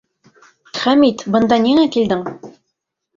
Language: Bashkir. Хәмит, бында ниңә килдең?